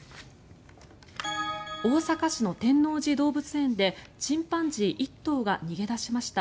大阪市の天王寺動物園でチンパンジー１頭が逃げ出しました。